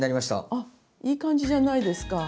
あっいい感じじゃないですか。